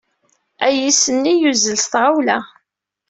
Ayis-nni yuzzel s tɣawla.